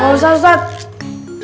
gak usah ustadz